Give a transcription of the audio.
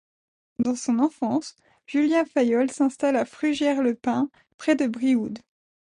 Dans son enfance, Julien Fayolle s'installe à Frugières-le-Pin, près de Brioude.